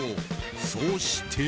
そして。